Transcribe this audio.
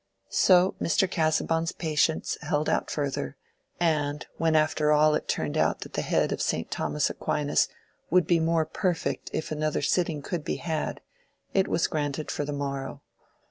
So Mr. Casaubon's patience held out further, and when after all it turned out that the head of Saint Thomas Aquinas would be more perfect if another sitting could be had, it was granted for the morrow.